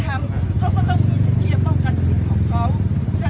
แล้วเขาก็ต้องมีการป้องกันศิษย์ของเขา